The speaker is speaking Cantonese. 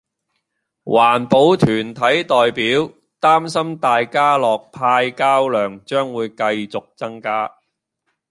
環保團體代表擔心大家樂派膠量將會繼續增加